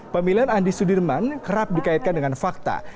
pemilihan andi sudirman kerap dikaitkan dengan fakta